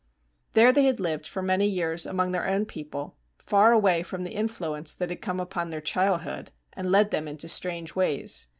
There they had lived for many years among their own people, far away from the influence that had come upon their childhood, and led them into strange ways.